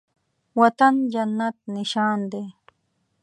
وطن جنت نشان دی